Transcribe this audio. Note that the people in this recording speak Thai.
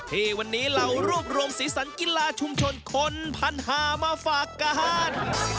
ที่วันนี้เรารวบรวมสีสันกีฬาชุมชนคนพันหามาฝากกัน